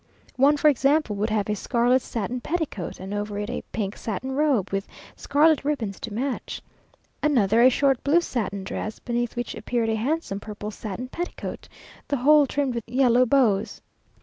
One, for example, would have a scarlet satin petticoat, and over it a pink satin robe, with scarlet ribbons to match. Another, a short blue satin dress, beneath which appeared a handsome purple satin petticoat; the whole trimmed with yellow bows.